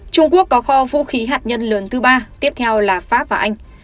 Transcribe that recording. trung quốc có kho vũ khí hạt nhân lớn thứ ba tiếp theo là pháp và anh